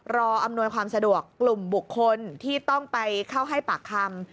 อำนวยความสะดวกกลุ่มบุคคลที่ต้องไปเข้าให้ปากคำ